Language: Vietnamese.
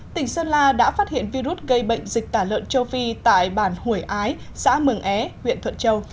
tỉnh sơn la đã phát hiện virus gây bệnh dịch tả lợn châu phi tại bản hủy ái xã mường é huyện thuận châu